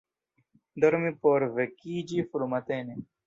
Dormi por vekiĝi frumatene.